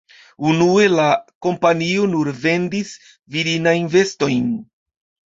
Unue la kompanio nur vendis virinajn vestojn.